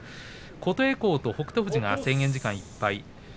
琴恵光と北勝富士が制限時間いっぱい。